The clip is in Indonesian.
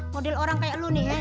model orang kayak lu nih ya